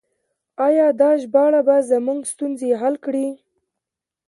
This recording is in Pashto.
آیا دا ژباړه به زموږ ستونزې حل کړي؟